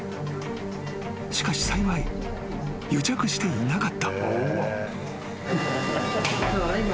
［しかし幸い癒着していなかった］